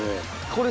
これ。